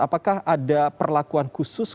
apakah ada perlakuan khusus